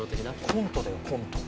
コントだよコント。